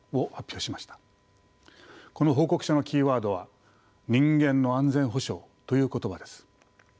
この報告書のキーワードは「人間の安全保障」という言葉です。